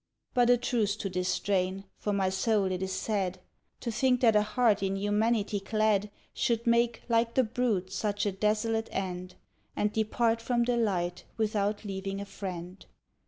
_ But a truce to this strain; for my soul it is sad, To think that a heart in humanity clad Should make, like the brute, such a desolate end, And depart from the light without leaving a friend!